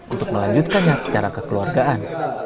untuk melanjutkannya secara kekeluargaan